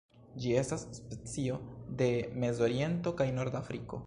Ĝi estas specio de Mezoriento kaj Nordafriko.